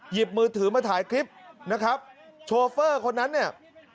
หยิบมือถือมาถ่ายคลิปนะครับโชเฟอร์คนนั้นเนี่ย